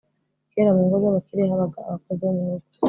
kera mu ngo z'abakire habaga abakozi bo mu rugo